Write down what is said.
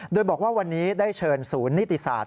โดยบอกว่าวันนี้ได้เชิญศูนย์นิติศาสต